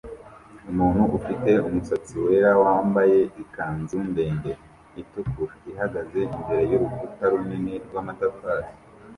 Umuntu ufite umusatsi wera wambaye ikanzu ndende itukura ihagaze imbere y'urukuta runini rw'amatafari